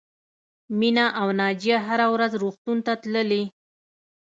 مینه او ناجیه هره ورځ روغتون ته تللې